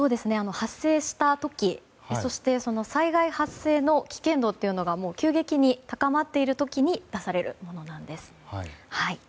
発生した時、そして災害発生の危険度というのが急激に高まっている時に出されるものなんです。